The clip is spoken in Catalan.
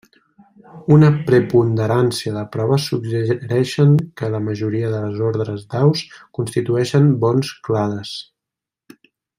Una preponderància de proves suggereixen que la majoria dels ordres d'aus constitueixen bons clades.